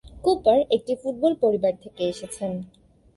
Cooper একটি football পরিবার থেকে এসেছেন।